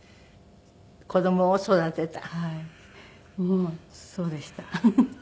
もうそうでした。